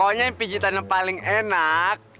pokoknya yang pijitan yang paling enak